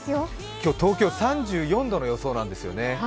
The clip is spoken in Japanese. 今日、東京３４度の予想なんですよね。